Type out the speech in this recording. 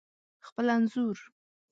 خپل انځور